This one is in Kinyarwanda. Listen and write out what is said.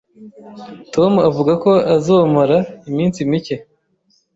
Tom avuga ko azomara iminsi mike